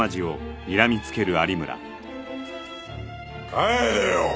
帰れよ。